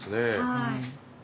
はい。